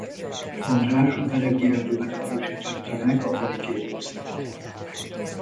András a beregi erdőben erősítette meg a beregi egyezményt.